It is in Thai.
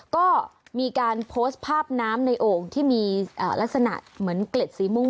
ก็มีการโพสต์ภาพน้ำในโอ่งที่มีลักษณะเหมือนเกล็ดสีม่วง